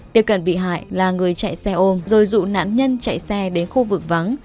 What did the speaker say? tiếp cận bị hại là người chạy xe ôm rồi dụ nạn nhân chạy xe đến khu vực vắng